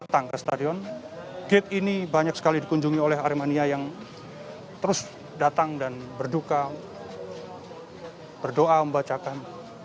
tangga stadion gate ini banyak sekali dikunjungi oleh aremania yang terus datang dan berduka berdoa membacakan